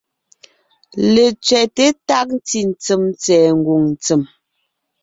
Letsẅɛ́te tág ntí ntsèm tsɛ̀ɛ ngwòŋ ntsèm,